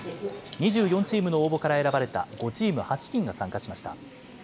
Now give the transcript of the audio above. ２４チームの応募から選ばれた５チーム８人が参加しました。